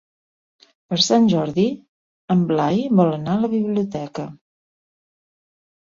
Per Sant Jordi en Blai vol anar a la biblioteca.